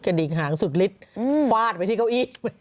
กระดิ่งหางสุดลิดฟาดไปที่เก้าอี้